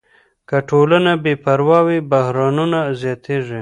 که ټولنه بې پروا وي، بحرانونه زیاتېږي.